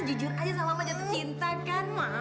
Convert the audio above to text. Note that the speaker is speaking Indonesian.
jujur aja sama jatuh cinta kan ma